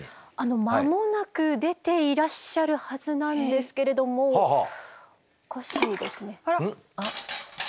間もなく出ていらっしゃるはずなんですけれどもおかしいですね。